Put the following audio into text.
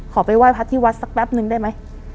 ไปไหว้พระที่วัดสักแป๊บนึงได้ไหม